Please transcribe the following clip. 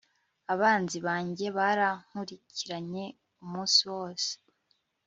abanzi banjye barankurikiranye umunsi wose